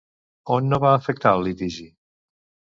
On no va afectar el litigi?